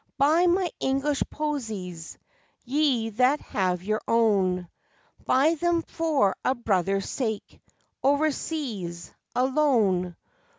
Buy my English posies! Ye that have your own Buy them for a brother's sake Overseas, alone.